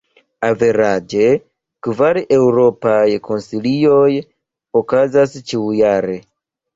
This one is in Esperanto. Averaĝe, kvar Eŭropaj Konsilioj okazas ĉiujare.